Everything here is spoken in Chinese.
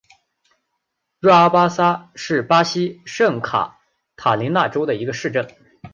若阿萨巴是巴西圣卡塔琳娜州的一个市镇。